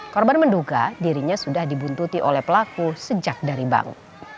korban menduga dirinya sudah dibuntuti oleh pelaku sejak dari bank